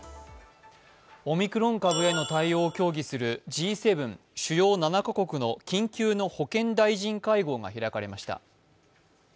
オミクロン株への対応を協議するＧ７＝主要７カ国の緊急の保健大臣会合が開かれました。